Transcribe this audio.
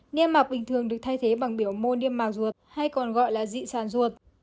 niêm mạng bình thường được thay thế bằng biểu môn niêm mạng ruột hay còn gọi là dị sản ruột